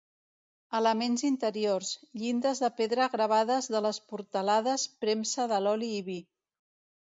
Elements interiors: llindes de pedra gravades de les portalades, premsa de l'oli i vi.